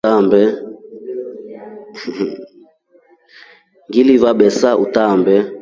Ngiliiva besa utaambe.